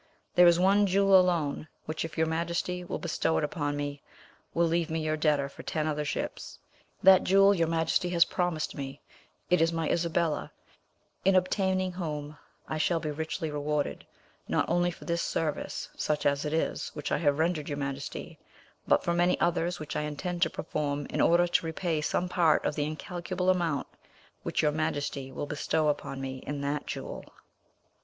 There is one jewel alone which, if your Majesty will bestow it upon me, will leave me your debtor for ten other ships. That jewel your Majesty has promised me: it is my Isabella, in obtaining whom I shall be richly rewarded, not only for this service, such as it is, which I have rendered your Majesty, but for many others which I intend to perform in order to repay some part of the incalculable amount which your Majesty will bestow upon me in that jewel."